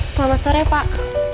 selamat sore pak